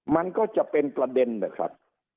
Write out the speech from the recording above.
มันก็จะเป็นประเด็นนะครับ